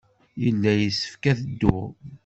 Yella yessefk ad dduɣ.